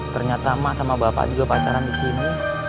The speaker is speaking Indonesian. ternyata emak sama bapak juga pacaran disini